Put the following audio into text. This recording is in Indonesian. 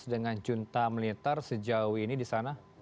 dengan junta militer sejauh ini di sana